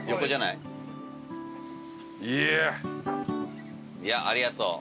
いやありがとう。